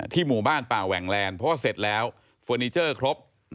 หมู่บ้านป่าแหว่งแลนด์เพราะว่าเสร็จแล้วเฟอร์นิเจอร์ครบ